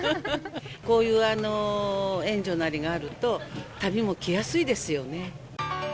こういう援助なりがあると、旅も来やすいですよね。